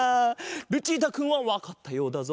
ルチータくんはわかったようだぞ。